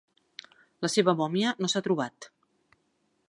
La seva mòmia no s'ha trobat.